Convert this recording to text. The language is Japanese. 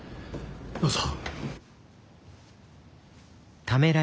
どうぞ。